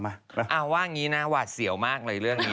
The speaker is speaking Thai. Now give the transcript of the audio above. เอาว่าอย่างนี้นะหวาดเสียวมากเลยเรื่องนี้